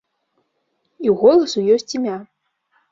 І ў голасу ёсць імя.